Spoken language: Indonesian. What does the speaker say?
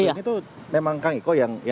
ini tuh memang kang iko yang